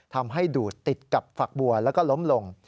ทำให้ดูดติดกับฝักบัวแล้วก็ล้มลง